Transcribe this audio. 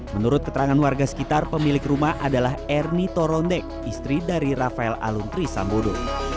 menurut keterangan warga sekitar pemilik rumah adalah ernie torondek istri dari rafael aluntri sambodo